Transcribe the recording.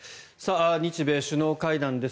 日米首脳会談です。